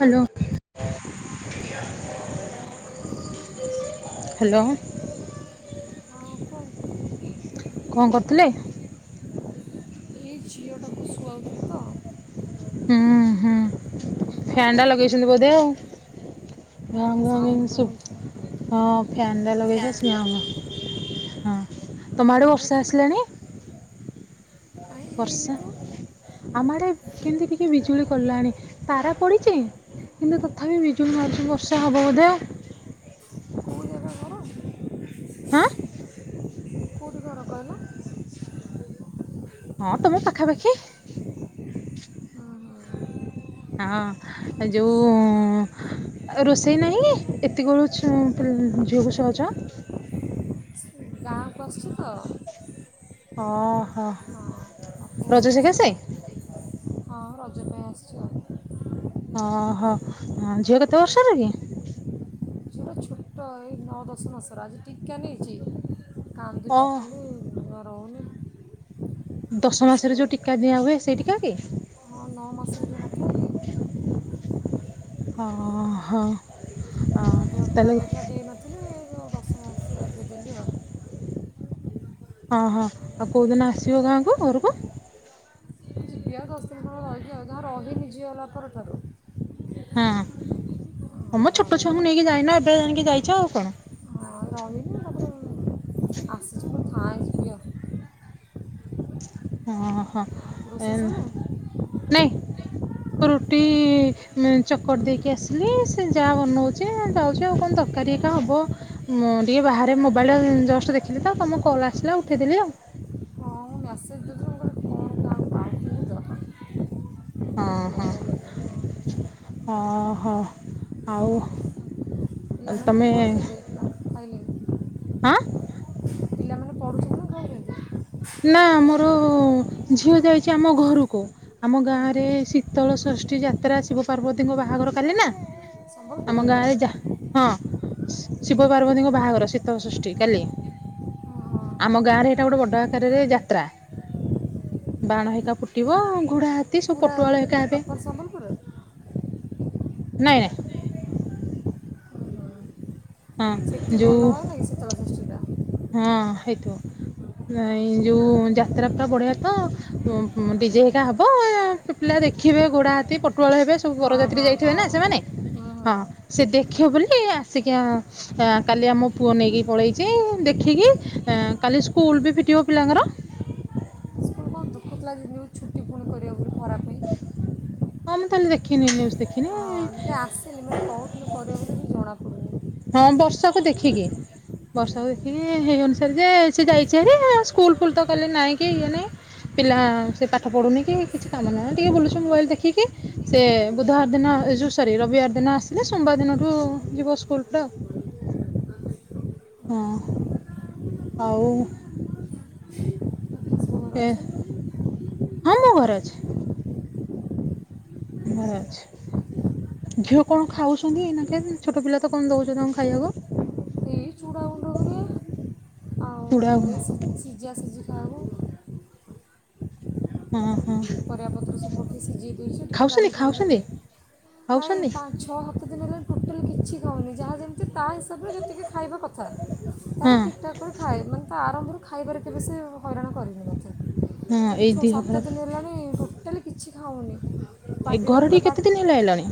Hello ? Hello ହଁ କୁହନ୍ତୁ କଣ କରୁଥିଲେ? ଏଇ ଝିଅଟାକୁ ଶୁଆଉ ଥିଲି ତ- ହୁଁ ହୁଁ କଣ ପ୍ୟାନ ଟା ଲଗେଇଛନ୍ତି କରୁଥିଲ ବୋଧେ ଆଉ- ଫ୍ୟାନ ଲଗେଇ ଶୋଉ। ? ହଁ ଫ୍ୟାନ ଟା ଲଗେଇଥା ସ ହଁ ତମ ଆଡେ ବାହାରେ ବର୍ଷା ଆସିଲାଣି? ଅଛନ୍ତି କାଇଁ ହେଇନି ବର୍ଷା ତ ଆମଆଡ଼େ କେମିତି ଟିକେ ବିଜୁଳି କଲାଣି ତାରା ପଡିଚି। କିନ୍ତୁ ତଥାପି ବିଜୁଲି ମାରୁଛି ବର୍ଷା ହବ ବୋଧେ ଆଉ। କେଉଁ ଜାଗା ହାଁ କୁଉଠି ଘର କହିଲ? ହଁ ତମ ପାଖାପାଖି। ହଁ ହଁ ଏ ଯୋଉ ଆ ରୋଷେଇ ନାହିଁ କି ଏତିକୁଲୁ ଛୁ ପି ଝିଅକୁ ଶୁଆଉଛ? ଗାଁ କୁ ଆସିଛୁ ତ। ଓହୋ ବାପ ଘରକୁ ରଜ ଆସିଛି ସଖାସେ? ତ ହଁ ରଜ ପାଇଁ ଆସି ଚ ଓହୋ ଝିଅ କେତେ ବର୍ଷର କି? ତ ଏଇ ନଅ ଦଶମାସ ର ଆଜି ଟୀକା ନେଇଛି। ଓ କାନ୍ଦୁଛି ଖାଲି ରହୁନି। ତାକୁ ଦଶ ମାସରେ ଶୁଆଉ ଯୋଉ ଟୀକା ଦିଆ ହୁଏ ସେଇ ଟୀକା କି? ହଁ ନଅ ମାସରେ ଯୋଉଁ ନଥାଏ? ହ ହଁ ହ ମୋର ହ। ଦେହ ଖରାପ ହେଇଥିଲା ଦେଇନଥିଲିଏଇ ଯୋଉଁ ଦଶ ମାସ ଏବେ ଦେଲି ଆଉ। ହଁ ହଁ ଆଉ କୋଉ ଦିନ ଆସିବ ଗାଁକୁ ଘରକୁ? ଦେଖିବା ଦଶ ଦିନ ରହିଯିବ ଜମା ରହିନୀ ଝିଅ ହେଲା ପରଠାରୁ। ହଁ ଅଁ, ହମ ଛୋଟ ରହିନି ଛୁଆଙ୍କୁ ନେଇକି ଯାଇନା ଏବେ ଜାଣିକି ଯାଇଛ ଆଉ କଣ? ହ [unintelligible] [unintelligible] ଓଁ ହୋ ଆଉ ଏ ରୋଷେଇ ସରିଲାଣି ନାଇଁ ରୁଟି ଉଁ ଚକଟି ଦେଇକି ଆସିଲି ସେ ଯା ବନଉଛି ଯାଉଛି ଆଉ କଣ ଦରକାରୀ ହେକା ହବ। ମୁଁ ଟିକେ ବାହାରେ ମୋବାଇଲି ଜଷ୍ଟ ଦେଖିଲି ତ ତମ କଲ୍ ଆସିଲା ଉଠେଇଦେଲି ଆଉ। ହଁ ମେସେଜ୍ ଦେଇଥିଲ ମୁଁ କହିନି କଣ କ ଆଉ [inaudible] ହଁ ହଁ। ଲାଗି ହଁ ହୋ ଆଉ ପିଲାମାନେ ତମେ ପଢ଼ୁଛନ୍ତି ଖାଇଲେଣି ହଁ ପିଲାମାନେ ପଢୁଛନ୍ତି ନା ଖାଇଲେଣି? ନା ମୋର ଝିଅ ଯାଇଛି ଆମ ଘରକୁ। ଆମ ଗାଁ ରେ ଶୀତଳ ଷଷ୍ଠୀ ଯାତ୍ରା ଶିବ ପାର୍ବତୀଙ୍କ ବାହାଘର କାଲି ନା? ଆମ ସମ୍ବଲପୁରରେ ଗାଁ କି ରେ ଯା ହଁ। ଶିବ ପାର୍ବତୀଙ୍କ ବାହାଘର ଶୀତ ଷଷ୍ଠୀ କାଲି ହଁ ଆମ ଗାଁ ରେ ଏଇଟା ଗୋଟେ ବଡ ଆ ଆକାରରେ ଯାତ୍ରା। ବାଣ ହେକା ଫୁଟିବ ଘୋଡ଼ା ହାତୀ ସବୁ ପୁରା ପଟୁଆଳ ହେକା ହେବେ। [unintelligible] ନାଇଁ ନାଇଁ। ହଁ ଯୋଉଁ ଏଇ ଶୀତଳ ଷଷ୍ଠି ଟା? ହଁ ହେଇତ ଏ ଯୋଉ ଯାତ୍ରାଟା ବଢିଆ ତ ଓ ହୋ ଡିଜେ ହେଇିକା ହବ ପିଲା ଦେଖିବେ ଗୋଡା ହାତୀ ପଟୁଆଳ ହେବେ ସବୁ ହଁ ବରଯାତ୍ରୀ ହଁ ଯାଇଥିବେ ହଁ ନା ସେମାନେ ହୁଁ ହୁଁ ହଁ ସେ ଦେଖିବ ବୋଲି ଆସିକି ଆ କାଲି ଆମ ପୁଅ ନେଇକି ପଳେଇଛି ଦେଖିକି କାଲି ସ୍କୁଲ ବି ଫିଟିବ ପିଲାଙ୍କର। ସ୍କୁଲକୁ ଦୁଃଖୁତ ଲାଗେ ଯଉଁ ଛୁଟି ପୁଣି କରିବାକୁ ଗଲେ ଖରା ପାଇଁ। ଆମେ ତାହେଲେ ଦେଖିନି ନ୍ୟୁଜ୍ ଦେଖିନି। ଏ ଆସିନି ମତେ କହୁଥିଲୁ କରିବା ବୋଲି ବି ଜଣା ପଡ଼ୁନି। ହଁ ବର୍ଷାକୁ ଦେଖିକି, ବର୍ଷାକୁ ଦେଖିବି ହେଇ ଅନୁସାରେ ଯେ ସେ ଯାଇଛି ହେଠି ସ୍କୁଲ ଫୁଲ ତ କଲେ ନାଇଁ କି ଇଏ ନାଇଁ। ପିଲା ସେ ପାଠ ପଢୁନି କି କିଛି କାମ ନାଁହି ଟିକେ ବୁଲୁଚଛି ମୋବାଇଲ ଦେଖିକି। ସେ ବୁଧବାର ଦିନ ଏ ଯୋଉ ସରି ରବିବାର ଦିନ ଆସିଲେ ସୋମବାର ଦିନଠୁ ଯିବ ସ୍କୁଲ ଟା। ହଁ, ହଉ? ସବୁ ଘରେ ଏ ଅଛନ୍ତି ହଁ ମୁଁ ଘରେ ଅଛି, ଘରେ ଅଛି। ଝିଅ କଣ ଖାଉଛନ୍ତି ଇନା କେନ ଛୋଟ ପିଲା ତ କଣ ଦଉଛ ତାଙ୍କ ଖାଇବାକୁ? ଏ ଚୁଡ଼ା ଗୁଣ୍ଡ। କରିବା ଚୁଡା ଆଉ ଏଇ ସି- ସିଝା ସିଝି ଖାଉ ହଁ ହଁ ପରିବାପତ୍ର ସବୁ ପକେଇ ସିଝେଇ ଦେଉଛି ଟିକେ ଖାଉଛନ୍ତି ଡାଲି ଫାଲି ଖାଉଛନ୍ତି ପକେଇ, ନାଇଁ ଖାଉଛନ୍ତି ପାଞ୍ଚ ଛଅ ସାତ ଦିନ ହେଲା ଟୋଟାଲ୍ କିଛି ଖାଉନି ଯାହା ଯେମ ସେ ତା ହିସାବରେ ଯେତିକି ଖାଇବା କଥା, ତାର ହଁ ଠିକ୍ ଠାକ୍ କରି ଖାଏ ମାନେ ତା ଆଗରୁ ଖାଇବାରେ କେବେ ସେ ହଇରାଣ କରିନି ହଁ କିନ୍ତୁ ଏଇ ଛଅ ଦିହ ସାତ ଖରାପ ଦିନ ହେଲାଣି ଟୋଟାଲି କିଛି ଖାଉନି। ଏ ପାଟିଟାକୁ ପୁରା ଘରଟି ପା କେତେ ଦିନ ହେଲା ଆଇଲଣି?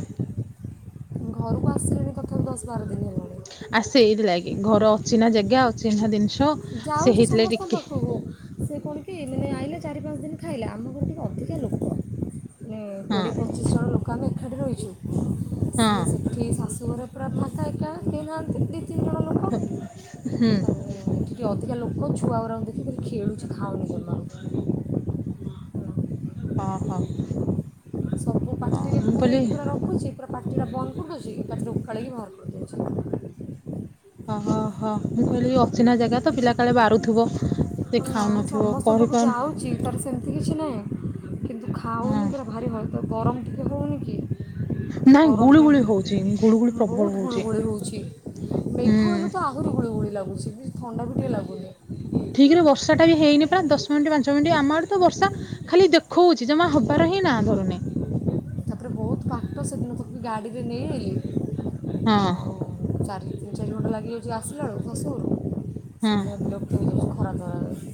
ଘରକୁ ଆସିଲେଣି ତଥାପି ଦଶ ବାର ଦିନ ହେଲାଣି। ଆ ସେଇଥିଲାଗି ଘର ଅଚିହ୍ନା, ଜାଗା ଅଚିହ୍ନା ଜିନିଷ। ସେ ଯାଉଛି ହେଇଥିଲେ ଟିକେ ସମସ୍ତଙ୍କ ପାଖକୁ, ସେ କଣ କି ମାନେ ଆଇଲା ଚାରି ପାଞ୍ଚ ଦିନ ଖାଇଲା, ଆମ ଘର ଟିକେ ଅଧିକା ଲୋକ। ମାନେ ହଁ କୋଡ଼ିଏ ପଚିଶ ଜଣ ଲୋକ ଆମେ ଏକାଠି ରହିଛୁ ହଁ ସିଏ ସେ ସେ ଶାଶୁ ଘର ପୁରା ଫାକା ଏକା କେହି ନାହାନ୍ତି, ଦୁଇ ତିନି ବଡ଼ ହଁ ହୁଁ ଟିକେ ଅଧିକା ଲୋକ ଛୁଆ ଗୁରାଙ୍କୁ ଦେଖିକରି ଖେଳୁଛି ଖାଉନି ଜମା। ହଁ ହଁ ଓମ ପୁରେଇକି ପୁରା ରଖୁଛି ପୁରା ପାଟିଟା ବନ୍ଦ କରିଦଉଛି ପାଟିରେ ଉଖାଲାଇ ବାହାର କରିଦଉଛି। ଓହୋ ମୁଁ କହିଲି ଅଚିହ୍ନା ଜାଗା ତ ପିଲା କାଳେ ବାରୁଥିବ, ସେ ନା ଖାଉନଥିବ। ସମସ୍ତଙ୍କ ପାଖକୁ କହିପାରୁନି ଯାଉଛି ତାର ସେମିତି କିଛି ନାହିଁ କିନ୍ତୁ ହଁ ଖାଉନି ପୁରା ଡାଲି ଭାତ। ଗରମ ଟିକଏ ହେଉନି କି, ହଁ ଗରମ ପାଇଁ ହ ବହୁତ ହଉଛି ଗୁଳୁଗୁଳି ହଉଛି ମେଘ ହୁଁ ହେଲେ ତ ଆହ ଗୁଳୁଗୁଳୁ ଗୁଳି ଲାଗୁଛି, ହୂମ ଥଣ୍ଡା ବି ଟିକିଏ ଲାଗୁନି। ଠିକ ରେ ବର୍ଷାଟା ବି ହେଇନି ପରା ଦଶ ମିନିଟ୍ ପାଞ୍ଚ ମିନିଟ ଆମ ଆଡେ ତ ବର୍ଷା ଖାଲି ଦେଖଉଛି ଜମା ହେବାର ହିଁ ନା ଧରୁନି। ତାପରେ ବହୁତ ପାଟ ସେଦିନକୁ ଗାଡ଼ିରେ ନେଇ ଗଲି, ହଁ ଚାରିରୁ ତିନି ଚାରି ଘଣ୍ଟା ଲାଗିଯାଉଛି ଆସିଲା ବେଳକୁ ଶାଶୁଘରକୁ ହଁ ସେ ଯଉଁ [inaudible] ପୁଣି ଯାଉଛି ଖରା ତରାରେ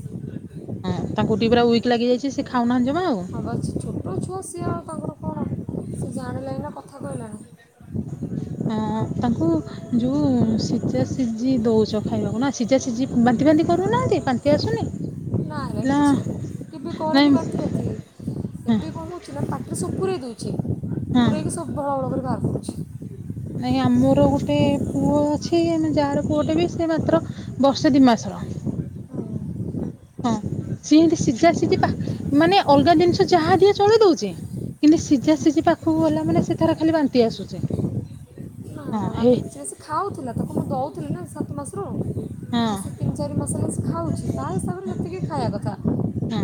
ହଁ ତାଙ୍କୁ ଟିକେ ପୁରା ୱିକ ଲାଗି ଯାଇଛି ସେ ଖାଉନାହାନ୍ତି ଜମା ଆଉ। ହଁ ଛୋଟ ଛୁଆ ସିଏ ଆଉ ତାଙ୍କର କଣ ସିଏ ଜାଣିଲାନି କଥା କହିଲାଣି। ହଁ, ତାଙ୍କୁ ଯୋଉ ସିଝା ସିଝି ଦଉଛ ଖାଇବାକୁ ନା, ସିଝା ସିଝି ବାନ୍ତି ଫାନ୍ତି କରୁନାହାନ୍ତି? ତୋ ଆସୁନି? ନା। କେବେ ନାଇଁ କରେନି ବାନ୍ତି ଫାନ୍ତି। ହଁ। କଣ କରୁଛି ନା ପାଟିରେ ସବୁ ପୁରେଇ ଦଉଚି ହଁ ପୁରେଇକି ସବୁ ଭଳ ଭଳ କରି ବାହାର କରୁଚି। ନାଇଁ ଆମର ଗୋଟେ ପୁଅ ଅଛି ଆମେ ଯା ର ପୁଅଟେ ବି ସେ ମାତ୍ର ବର୍ଷେ ଦି ମାସର। ହଁ ସିଏ ଇମ୍ତି ସିଝା ସିଝି ପା ମାନେ ଅଲଗା ଜିନିଷ ଯାହା ଦେଲେ ଚଳେଇ ଦଉଚି। କିନ୍ତୁ ସିଝା ସିଝି ପାଖକୁ ଗଲା ମାନେ ସେ ତାରଖାଲି ବାନ୍ତି ଆସୁଛି। ନା ହଁ ନା ନା ହେ ତା ସେ ଖାଉଥିଲା ତାକୁ ମୁଁ ଦେଉଥିଲି ନା ସାତମାସରୁ ହଁ ଆଉ ସେ ତିନି ଚାରି ମାସ ହେଲା ସେ ଖାଉଛି ତା ହିସାବରେ ଯେତିକି ଖାଇବା କଥା ହଁ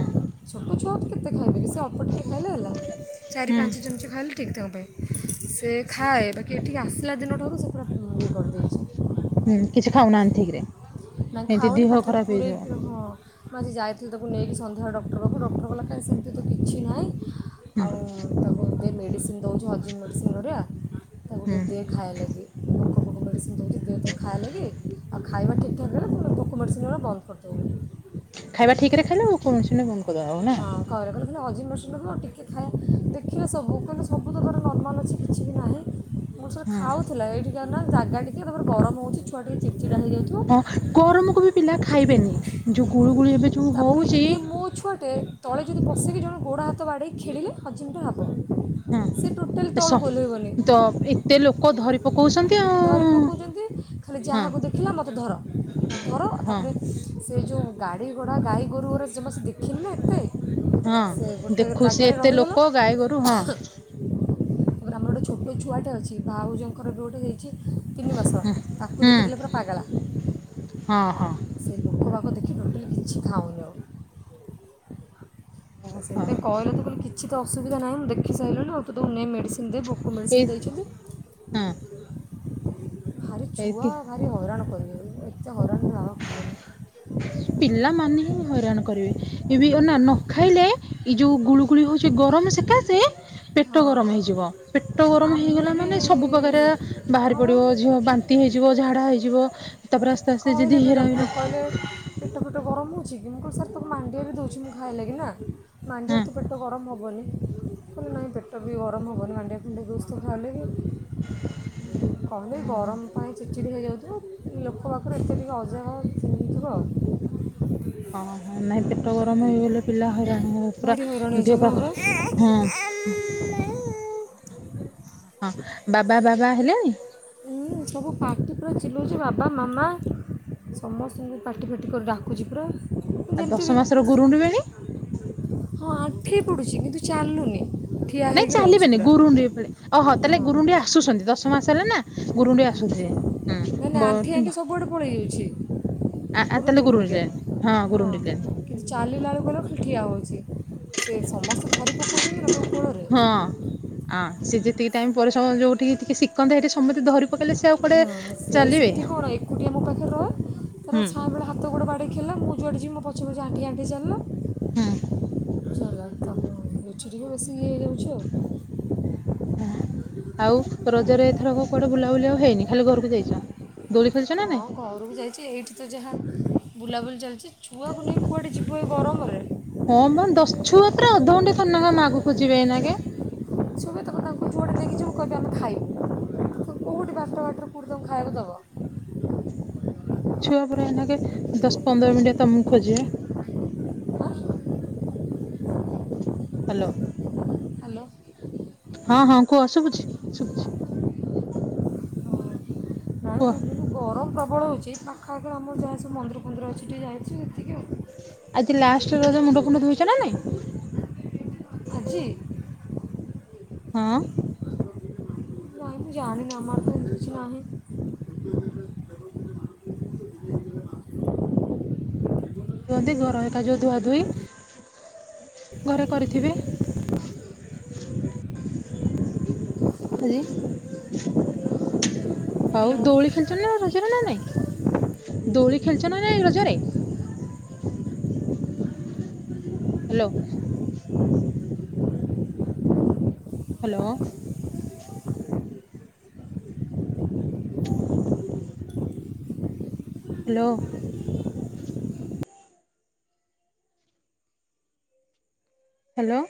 ଛୋଟ ଛୁଆ ଆଉ କେତେ ଖାଇବେ ସେ ଅଳ୍ପ ଟିକେ ଖାଇଲେ ହେଲା ଚାରି ହୁଁ ପାଞ୍ଚ ଚାମଚ ଖାଇଲେ ଠିକ୍ ତାଙ୍କ ପାଇଁ। ସେ ଖାଏ ବାକି ଏଠିକି ଆସିଲା ଦିନଠାରୁ ସେ ପୁରା ଇଏ କରିଦଉଚି। ହୁଁ, କିଛି ଖାଉନାହାନ୍ତି ଠିକ୍ ରେ। ନାଇଁ ଖାଉନି ପାଟିରେ ପୁରେଇକି ହଁ। ମୁଁ ଆଜି ଯାଇଥିଲି ତାକୁ ନେଇକି ସନ୍ଧ୍ୟାବେଳେ ଡକ୍ଟର ପାଖକୁ ଡକ୍ଟର କହିଲା କାଁଇ ସେମିତି ତ କିଛି ନାହିଁ। ହୁଁ ଆଉ ତାକୁ ଟିକେ ମେଡ଼ିସିନ ଦେଉଛି ହଜମ ମେଡ଼ିସିନ୍ ଘରିକା ତାକୁ ହୁଁ ଟିକେ ଦିଏ ଖାଇବାଲାଗି ଭୋକ ଫୋକ ମେଡ଼ିସିନ ଦେଉଛି ଦିଏ ତାକୁ ଖାଇବା ଲାଗି ଆଉ ଖାଇବା ଠିକ୍ [unintelligible] ବନ୍ଦ କର ଦେବେ। [inaudible] ଖାଇବା ଠିକ୍ ରେ ଖାଇଲେ, ଭୋକ ମେତିସିନ୍ ଟା ବନ୍ଦ କରିଦେବ ନା। [unintelligible] ସବୁ ତର ନର୍ମାଲ୍ ଅଛି କିଛି ବି ନାହିଁ [inaudible] ମୋ ସହିତ ହଁ ଖାଉଥିଲା ଏଇଠିକା ନା ଜାଗା ଟିକେ ତାପରେ ଗରମ ହଉଛି ଛୁଆ ଟିକେ ଚିଡ଼ଚିଡା ହେଇଯାଉଛି। ହଁ ଗରମକୁ ବି ପିଲା ଖାଇବେନି ଯୋଉ ଗୁଳୁ ଗୁଳି ଏବେ ଯୋଉ ହଉଚି। ଗୋଟେ ତଳେ ଯଦି ପଶିକି ଜଣେ ଗୋଡ଼ ହାତ ବାଡ଼େଇକି ଖେଳିଲେ ହଜିମ୍ଟା ହବ। ହଁ ସେ ଟୋଟାଲି ଆସ ତଳଳୁ ଓଲେହିବନି, ତ ଏତେ ଲୋକ ଧରି ପକଉଛନ୍ତି ଆଉ ଧରି ପକଉଚନ୍ତି। ଖାଲି ହଁ ଯାହାକୁ ଦେଖିଲା ମୋତେ ଧର ମତେ ଧର ହଁ ତାପରେ ସେ ଯୋଉ ଗାଡି ଘୋଡା ଗାଈ ଗୋରୁ ଗୁରାକ ଜମା ସେ ଦେଖିନିନା ଏତେ ସେ ହଁ ଗୋଟେ ଦେଖୁ ସେ ଜାଗାରେ ଏତେ ଲୋକ ରହିଗଲା ଗାଈ ନା। ଗୋରୁ ହଁ ତାପରେ ଆମର ଗୋଟେ ଛୋଟ ଛୁଆଟେ ଅଛି ବା ଭାଉଜଙ୍କର ବି ଗୋଟେ ହେଇଚି। ତିନି ହୁଁ ମାସର ତାକୁ ହୁଁ ଦେଖିଦେଲେ ପୁରା ପାଗାଳା। ହଁ ହଁ। ସେ ଲୋକ ବାକ ଦେଖି ଟୋଟାଲି କିଛି ଖାଉନି ଆଉ। ଓହୋ ସେଥିପାଇଁ କହିଲୁ କି କିଛି ତ ଅସୁବିଧା ନାହି ମୁଁ ଦେଖିସାରିଲିଣି ଆଉ ତୁ ତାକୁ ନେ ମେଡିସି ଦେ ଭୋକ ମେଡ଼ିସିନ୍ ଦେଇଛନ୍ତି। ହୁଁ। ଭାରି ଛୁଆ ଭାରି ହଇରାଣ କରିବେ ଏତେ ହଇରାଣ ବାବା କୁହନା। ପିଲାମାନେ ହିଁ ହଇରାଣ କରିବେ। ଏବେ ବି ଅନା ନ ଖାଇଲେ ଏଇ ଯୋଉ ଗୁଳୁ ଗୁଳି ହଉଛି ଗରମ ସେକାସେ ପେଟ ହଁ ଗରମ ହେଇଯିବ ପେଟ ଗରମ୍ ଆମେ ହେଇଗଲା ବି ମାନେ ସବୁ ପକାରିଆ ବାହାରି ହଁ ବା ପଡିବ ଝିଅ ବାନ୍ତି ହେଇଯିବ ଝାଡା ହେଇଯିବ ତାପରେ ଆସ୍ତେ ଆସ୍ତେ ଯଦି ହିରା ହେଇଗଲା ହୁଁ। ପେଟ ଫେଟ ଗରମ୍ ହଉଚି କି ମୁଁ କହିଲି ସାର୍ ତାକୁ ମାଣ୍ଡିଆ ବି ଦେଉଛି ମୁଁ ଖାଇବାଲାାଗି ନା। ମାାଣ୍ଡିଆରୁ ତ ପେଟ ଗରମ୍ ହବନି। କୁ ନାଇଁ ପେଟ ବି ଗରମ ହେବି ମାଣ୍ଡିଆ ଫାଣ୍ଡିଆ ବି ଦୋଉଚିତ ଖାଲି ବି [inaudible] ଖାଲି ଗରମ୍ ପାଇଁ ଚିଡ଼୍ ଚିଡ଼୍ ହେଇଯାଉଥିବ। ତାୋ ପାଖରୁ ଏତେ ଟିକିେ ଅଜାଣ ଚିହ୍ନିଥିବ [inaudible] ଓହୋ, ନାଇଁ ପେଟ ଗରମ ହେଇଗଲେ ପିଲା ହଇରାଣ ହେବେ। ଭାରି ହଇରାଣ ପୁରା ହେଇଛ ଦେହ କଣ ପା ଖ ବା ହୁଁ। ହଁ, ବାବା ବାବା ହେଲାଣି। ହୁଁ ସବୁ ପାଟି ପୁରା ଚିଲଉଚି ବାବା ମାମା। ସମସ୍ତଙ୍କୁ ପାଟି ଫାଟି କରି ଡାକୁଛି ପୁରା ଆଉ ଦଶ ଯେମ୍ତି ବି ମାସର ସେ ଗୁରୁଣ୍ଡିବେଣି ହଁ, ଆଣ୍ଠେଇ ପଡୁଚି କିନ୍ତୁ ଚାଲୁନି। ଠିଆ ନାଇଁ ହେଇକି ରହୁଛି ଚାଲିବେନି ପୁରା ଗୁରୁଣ୍ଡିବେ [unintelligible] ଓହୋ, ହଁ ତାହେଲେ ଗୁରୁଣ୍ଡି ଆସୁଛନ୍ତି ଦଶ ମାସ ହେଲା ନା ଗୁରୁଣ୍ଡି ଆସୁଥିବେ। ମାନେ ଆଣ୍ଠି ହୁଁ ଆଣ୍ଠି [unintelligible] ସବୁଆଡ଼େ ପଳେଇ ଯାଉଛି ଆ ଆଉ ତାହେଲେ ଗୁରୁଣ୍ଡିଲେଣି ହଁ ଗୁରୁଣ୍ଡିଲେଣି। ଚାଲିଲାଳୁକୁ କହିଲା କୁ ଖାଲି ଠିଆ ହେଉଚି, ସେ ସମସ୍ତେ ଧରି ପକାଉଚନ୍ତି ନା ତାକୁ କୋଳରେ। ହଁ ଅଁ ସେ ଯେତିକି ଟାଇମ୍ ପରିସମ ଯୋଉଠି କି ଟିକେ ସିକନ୍ତା ହେଠୀ ସମସ୍ତେ ଧରି ପକେଇଲେ ସେ ଆଉ କୁଆଡେ ହଁ ସେ ଚାଲିବେ ସେଠି କଣ ଏକୁଟିଆ ମୋ ପାଖରେ ରହେ, ତାର ହୁଁ ଛାଁ ବେଳେ ହାତ ଗୋଡେ ବାଡେଇ ଖେଳିଲା ମୁଁ ଯୁଆଡେ ଯିବି ମୋ ପଛେ ପଛେ ଆଣ୍ଠେଇ-ଆଣ୍ଠେଇ ଚାଲିଲା। ହୁଁ [inaudible] ହଁ ଆଉ ରଜରେ ଏଥରକ କୁଆଡେ ବୁଲାବୁଲି ଆଉ ହେଇନି, ଖାଲି ଘରୁକୁ ଯାଇଚ? ଦୋଳି ଖେଳିଚ ନା ନାଇଁ? ଆଉ ଘରକୁ ଯାଇଛି ଏଇଠି ତ ଯାହା ବୁଲାବୁଲି ଚାଲିଛି, ଛୁଆକୁ ନେଇ କୁଆଡ଼େ ଯିବୁ ଏ ଗରମରେ। ହଁ ମ ଦଶ ଛୁଆ ପା ଅଧଘଣ୍ଟେ ଥରେ ନେଖା ମାଆକୁ ଖୋଜିବେ ଏଇନା କେ। ଛୁଆ [unintelligible] ତାଙ୍କୁ ଯୁଆଡେ ନେଇକି କହିବେ ଆମେ ଖାଇବୁ। ତାଙ୍କୁ କୋଉଠି ବାଟ ଘାଟରେ କୋଉଠି ତାଙ୍କୁ ଖାଇବାକୁ ଦେବ। ଛୁଆ ପରା ଏଇନାକେ ଦଶ ପନ୍ଦର ମିନିଟ୍ ରେ ତମୁକୁ ଖୋଜିବେ। ହାଲୋ। ହ୍ୟାଲୋ ହଁ-ହଁ କୁହ ଶୁଭୁଛି-ଶୁଭୁଛି। କୁହ। ଗରମ୍ ପ୍ରବଳ ହଉଚି, ପାଖ ଆଖରେ ଆମର ଯାହା ସବୁ ମନ୍ଦିର ଫନ୍ଦିର ଅଛି ଟିକିଏ ଯାଇଚି। ଆଜି ଲାଷ୍ଟ ରଜ ମୁଣ୍ଡ ଫୁଣ୍ଡ ଧୋଇଚ ନା ନାଇଁ? ଆଜି? ହଁ। କାଇଁ ମୁଁ ଜାଣିନି ଆମ ଆଡେ ତ କିଛି ନାହିଁ। କୁହନ୍ତି ଘର ହେକା ଯୋଉ ଧୁଆ ଧୁଇ। ଘରେ କରିଥିବେ ଆଜି। ଆଉ ହ୍ୟାଲୋ ଦୋଳି ଖେଳିଚ ନା ରଜରେ ନା ନାଇଁ, ଦୋଳି ଖେଳିଚ ନା ନାଇଁ ରଜରେ? ହାଲୋ। ହାଲୋ। ହାଲୋ। ହାଲୋ।